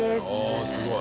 ああすごい。